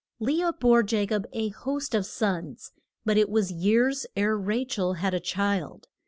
Le ah bore Ja cob a host of sons, but it was years ere Ra chel had a child.